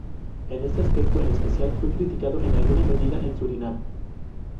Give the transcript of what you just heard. En este aspecto en especial fue criticado en alguna medida en Surinam.